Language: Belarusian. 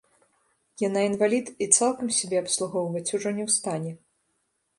Яна інвалід і цалкам сябе абслугоўваць ужо не ў стане.